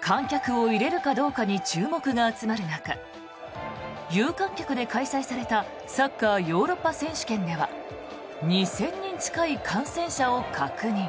観客を入れるかどうかに注目が集まる中有観客で開催されたサッカーヨーロッパ選手権では２０００人近い感染者を確認。